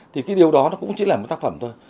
thì cái điều đó nó cũng chỉ là một tác phẩm thôi